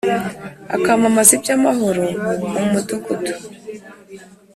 akamamaza iby’amahoro mu mudugudu